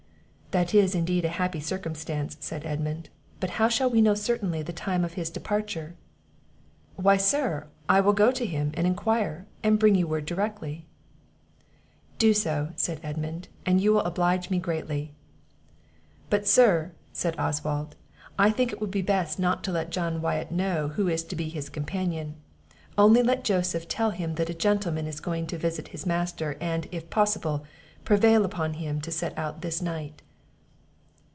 "That is, indeed, a happy circumstance," said Edmund; "but how shall we know certainly the time of his departure?" "Why, Sir, I will go to him, and enquire; and bring you word directly." "Do so," said Edmund, "and you will oblige me greatly." "But, Sir," said Oswald, "I think it will be best not to let John Wyatt know who is to be his companion; only let Joseph tell him that a gentleman is going to visit his master, and, if possible, prevail upon him to set out this night."